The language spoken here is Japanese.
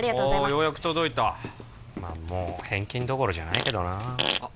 ようやく届いたまあもう返金どころじゃないけどなあっ